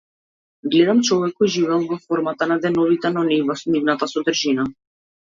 Гледам човек кој живеел во формата на деновите, но не и во нивната содржина.